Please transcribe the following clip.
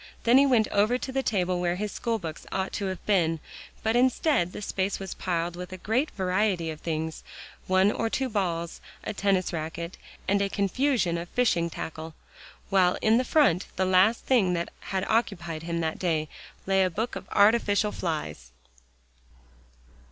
Then he went over to the table where his schoolbooks ought to have been. But instead, the space was piled with a great variety of things one or two balls, a tennis racket, and a confusion of fishing tackle, while in front, the last thing that had occupied him that day, lay a book of artificial flies.